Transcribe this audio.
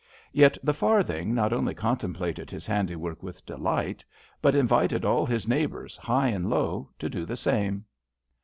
Yet the Farthing not only contemplated his handy work with delight, but invited all his neighbours, high and low, to do the same.